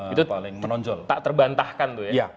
itu tak terbantahkan